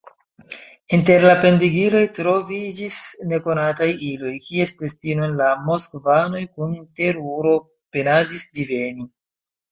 Inter la pendigiloj troviĝis nekonataj iloj, kies destinon la moskvanoj kun teruro penadis diveni.